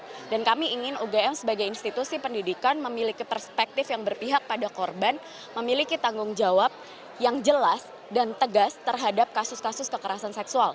pemerintah dan kami ingin ugm sebagai institusi pendidikan memiliki perspektif yang berpihak pada korban memiliki tanggung jawab yang jelas dan tegas terhadap kasus kasus kekerasan seksual